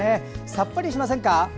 さっぱりしませんか？